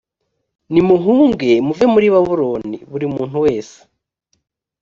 nimuhunge muve muri babuloni buri muntu wese